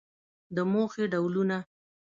د موخې ډولونه